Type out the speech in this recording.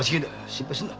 心配するな。